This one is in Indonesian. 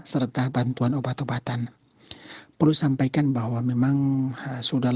serta bantuan obat obatan perlu sampaikan bahwa memang sudah